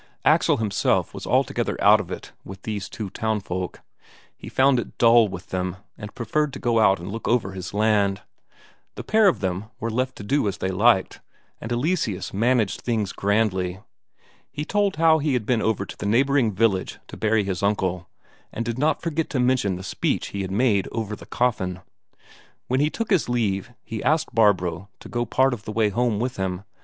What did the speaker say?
Axel himself was altogether out of it with these two town folk; he found it dull with them, and preferred to go out and look over his land. The pair of them were left to do as they liked, and Eleseus managed things grandly. He told how he had been over to the neighbouring village to bury his uncle, and did not forget to mention the speech he had made over the coffin. When he took his leave, he asked Barbro to go part of the way home with him.